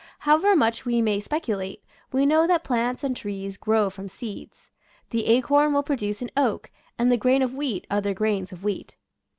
However much we may speculate, we know that plants and trees grow from seeds. The acorn will produce an oak and the grain of wheat other grains of wheat.